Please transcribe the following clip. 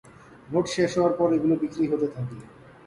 Vote শেষ হওয়ার পর এগুলো বিক্রি হতে থাকে।